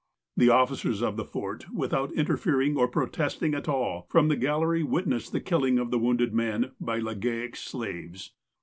The officers of the Fort, without interfering or pro testing at all, from the gallery witnessed the killing of the wounded man by Legaic' s slaves.